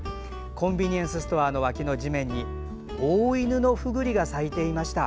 コンビニエンスストアの脇の地面にオオイヌノフグリが咲いていました。